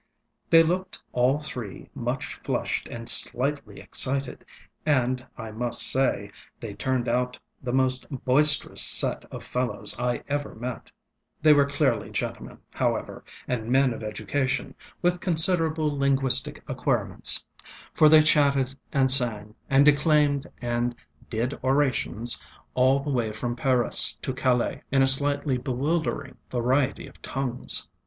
They looked all three much flushed and slightly excited, and, I must say, they turned out the most boisterous set of fellows I ever met. They were clearly gentlemen, however, and men of education, with considerable linguistic acquirements; for they chatted and sang, and declaimed and ŌĆ£did orationsŌĆØ all the way from Paris to Calais, in a slightly bewildering variety of tongues.